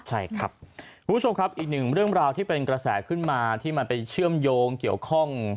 ใช่ครับคุณผู้ชมครับอีกหนึ่งเรื่องราวที่เป็นกระแสขึ้นมาที่มันไปเชื่อมโยงเกี่ยวข้อง